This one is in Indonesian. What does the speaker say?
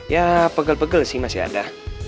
ya pegel pegel sih masih ada